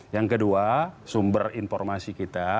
yang kedua sumber informasi kita